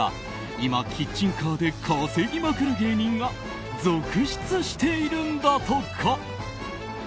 今、キッチンカーで稼ぎまくる芸人が続出しているんだとか。